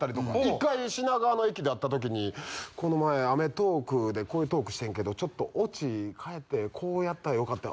一回品川の駅で会ったときに「この前『アメトーーク！』でこういうトークしてんけどちょっとオチ変えてこうやったらよかった」